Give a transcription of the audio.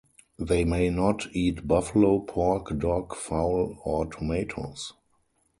They may not eat buffalo, pork, dog, fowl, or tomatoes.